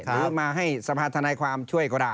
หรือมาให้สภาธนายความช่วยก็ได้